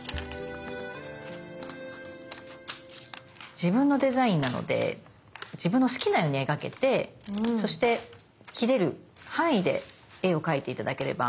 自分のデザインなので自分の好きなように描けてそして切れる範囲で絵を描いて頂ければ。